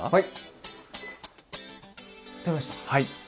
はい。